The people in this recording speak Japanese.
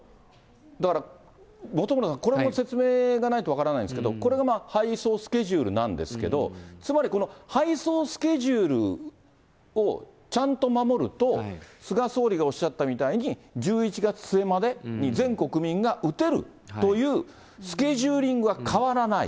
だから本村さん、これも説明がないと分からないですけど、これが配送スケジュールなんですけど、つまりこの配送スケジュールをちゃんと守ると、菅総理がおっしゃったみたいに、１１月末までに全国民が打てるというスケジューリングは変わらない。